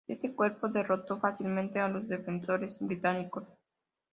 Este cuerpo derrotó fácilmente a los defensores británicos.